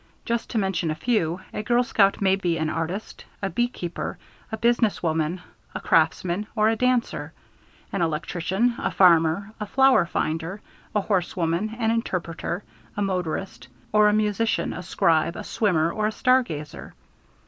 Just to mention a few: A girl scout may be an artist, a beekeeper, a business woman, a craftsman, or a dancer; an electrician, a farmer, a flower finder, a horsewoman, an interpreter, a motorist; or a musician, a scribe, a swimmer, or a star gazer.